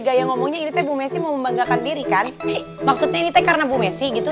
gaya ngomongnya ini tebu mesin membanggakan diri kan maksudnya ini karena bu messi gitu